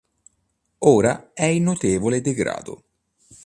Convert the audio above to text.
Ora è in notevole degrado.